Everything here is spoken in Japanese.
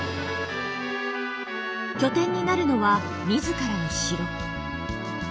拠点になるのは自らの城。